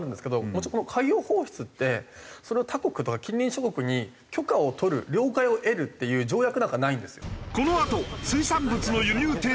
もちろんこの海洋放出ってそれを他国とか近隣諸国に許可を取る了解を得るっていう条約なんかないんですよ。